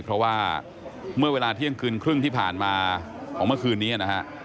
เพราะว่าเมื่อเวลาเที่ยงคืนครึ่งที่ผ่านมาของเมื่อคืนนี้นะฮะ